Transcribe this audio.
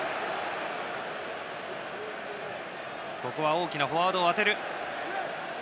大きなフォワードを当てる。